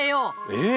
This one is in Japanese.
えっ？